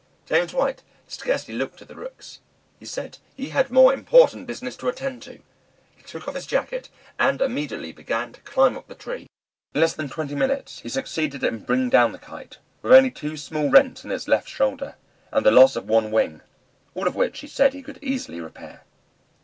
James White scarcely looked at the rooks; he said he had more important business to attend to. He took off his jacket, and immediately began to climb up the tree. In less than twenty minutes he succeeded in bringing down the Kite, with only two small rents in its left shoulder, and the loss of one wing, all of which he said he could easily repair.